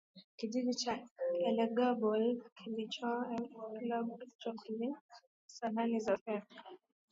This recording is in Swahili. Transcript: kijiji cha Elagabal kilichoitwa Epilebal kilichokula kwenye sahani za fedha